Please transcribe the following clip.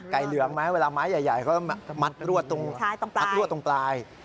ไก่เหลืองไหมเวลาไม้ใหญ่ก็มัดลวดตรงปลาย